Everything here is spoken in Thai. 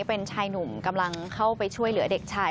เป็นชายหนุ่มกำลังเข้าไปช่วยเหลือเด็กชาย